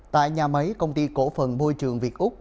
tại nhà máy công ty cổ phần môi trường việt úc